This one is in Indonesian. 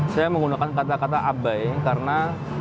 saya menggunakan kata kata abai karena